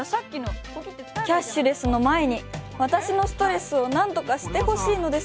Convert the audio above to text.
キャッシュレスの前に私のストレスをなんとかしてほしいのですが